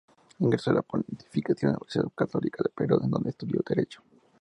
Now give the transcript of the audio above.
Ingresó a la Pontificia Universidad Católica del Perú, en dónde estudió Derecho.